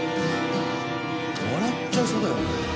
笑っちゃいそうだよね。